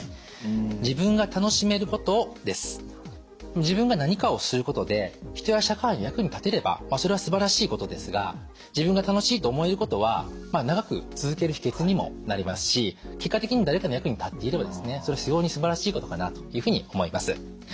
２つ目は自分が何かをすることで人や社会の役に立てればそれはすばらしいことですが自分が楽しいと思えることは長く続ける秘けつにもなりますし結果的に誰かの役に立っていればですね非常にすばらしいことかなというふうに思います。